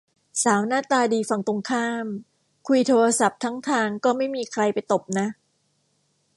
สาวหน้าตาดีฝั่งตรงข้ามคุยโทรศัพท์ทั้งทางก็ไม่มีใครไปตบนะ